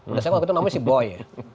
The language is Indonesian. udah saya waktu itu namanya si boy ya